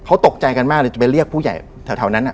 เขาตกใจกันมากเลยจะไปเรียกผู้ใหญ่แถวนั้น